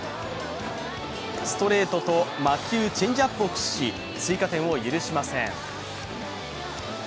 ストレートと魔球チェンジアップを駆使し追加点を許しません。